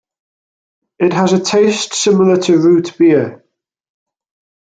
It has a taste similar to root beer.